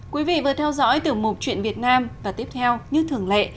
quý vị vừa theo dõi tiểu mục chuyện việt nam và tiếp theo như thường lệ